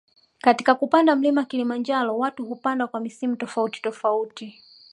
Katika kupanda mlima kilimanjaro watu hupanda kwa misimu tofauti tofauti